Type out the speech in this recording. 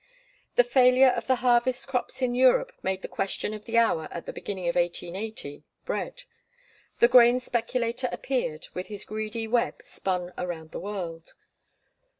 The failure of the harvest crops in Europe made the question of the hour at the beginning of 1880 bread. The grain speculator appeared, with his greedy web spun around the world.